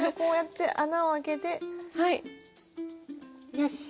よし。